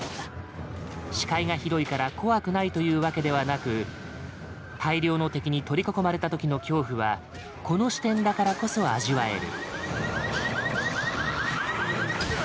視界が広いから怖くないというわけではなく大量の敵に取り囲まれた時の恐怖はこの視点だからこそ味わえる。